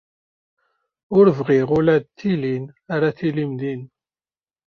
Ur bɣiɣ ula d tilin ara tilim din.